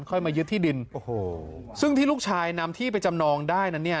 ค่อยมายึดที่ดินซึ่งที่ลูกชายนำที่ไปจำนองได้นะเนี่ย